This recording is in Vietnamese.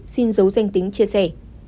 xin giấu danh tính chia sẻ